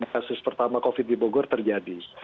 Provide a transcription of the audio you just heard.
kasus pertama covid di bogor terjadi